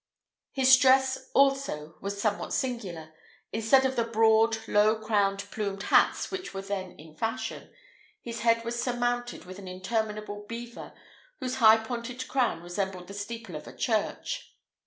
His dress also was somewhat singular. Instead of the broad, low crowned plumed hats which were then in fashion, his head was surmounted with an interminable beaver, whose high pointed crown resembled the steeple of a church.